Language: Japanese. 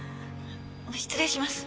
失礼します。